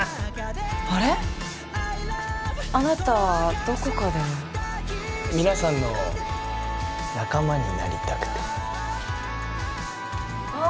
あれっあなたどこかで皆さんの仲間になりたくてあっ